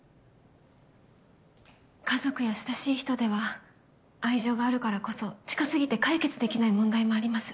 家族や親しい人では愛情があるからこそ近すぎて解決できない問題もあります。